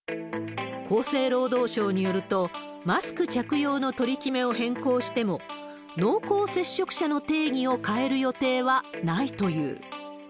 厚生労働省によると、マスク着用の取り決めを変更しても、濃厚接触者の定義を変える予定はないという。